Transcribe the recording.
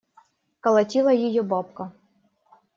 Колотила ее бабка.